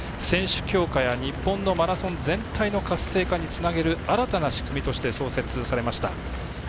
選手強化や日本のマラソン全体の活性化につなげる新たな仕組みとして創設されました。